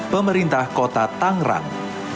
pemerintah kota tangrang